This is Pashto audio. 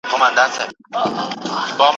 یا شهید یا به خوني وي دا نصیب د پښتون قام دی